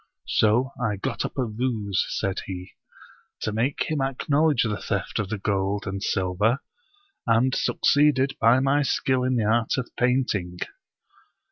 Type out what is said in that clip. " So I got up a ruse," said he, " to make him acknowledge the theft of the gold and silver, and succeeded by my skill in the art of painting."